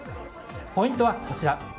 ポイントはこちら。